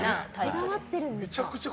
こだわっているんですね。